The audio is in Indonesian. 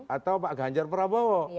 atau pak ganjar prabowo